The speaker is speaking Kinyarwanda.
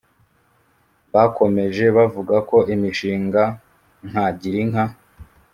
Bakomeje bavuga ko imishinga nka Girinka